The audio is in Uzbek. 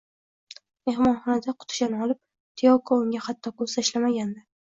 Mehmonxonada qutichani olib Tiyoko unga xatto ko`z tashlamagandi